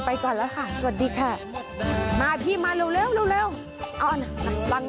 ก่อนแล้วค่ะสวัสดีค่ะมาพี่มาเร็วเร็วเอานะฟัง